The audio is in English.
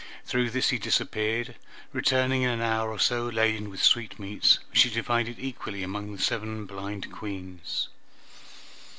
Through this he disappeared, returning in an hour or so laden with sweetmeats, which he divided equally among the seven blind Queens.